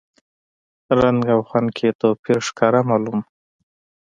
رنګ او خوند کې یې توپیر ښکاره معلوم و.